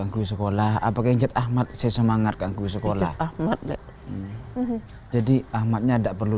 angkuh sekolah apa genget ahmad saya semangat kangkuh sekolah ahmad jadi ahmadnya ndak perlu